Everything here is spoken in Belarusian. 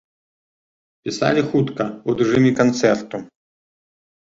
Пісалі хутка, у рэжыме канцэрту.